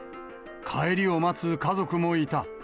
帰りを待つ家族もいた。